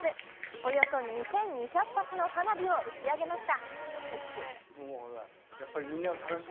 およそ２２００発の花火を打ち上げました。